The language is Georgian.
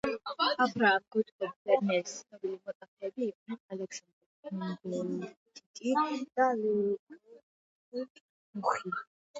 აბრაამ გოტლობ ვერნერის ცნობილი მოწაფეები იყვნენ: ალექსანდერ ჰუმბოლდტი და ლეოპოლდ ბუხი.